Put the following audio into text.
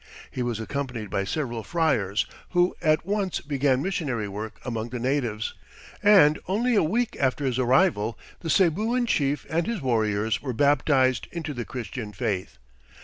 He was accompanied by several friars, who at once began missionary work among the natives, and only a week after his arrival the Cebuan chief and his warriors were baptized into the Christian faith.